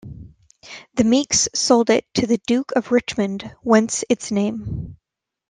The Meeks sold it to the Duke of Richmond whence its name.